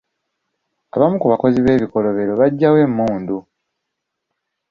Abamu ku bakozi b'ebikolobero baggya wa emmundu?